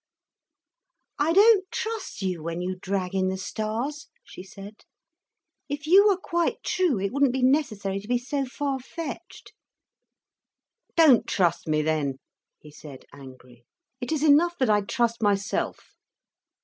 "I don't trust you when you drag in the stars," she said. "If you were quite true, it wouldn't be necessary to be so far fetched." "Don't trust me then," he said, angry. "It is enough that I trust myself."